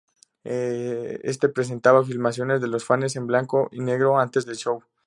Éste presentaba filmaciones de los fanes en blanco y negro antes del show.